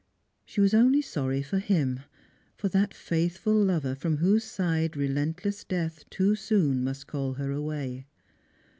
She was only sorry for him, for that faithful lover from whose side relentless Death too soon must call her away.